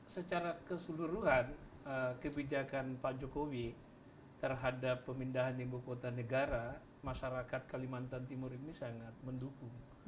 secara keseluruhan kebijakan pak jokowi terhadap pemindahan ibu kota negara masyarakat kalimantan timur ini sangat mendukung